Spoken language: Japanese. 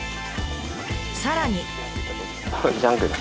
さらに。